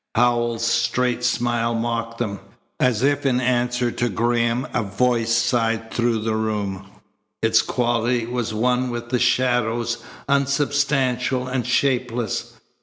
Howells's straight smile mocked them. As if in answer to Graham a voice sighed through the room. Its quality was one with the shadows, unsubstantial and shapeless.